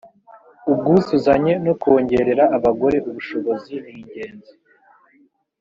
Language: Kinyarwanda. ubwuzuzanye no kongerera abagore ubushobozi ningenzi